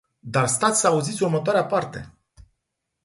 Dar stați să auziți următoarea parte.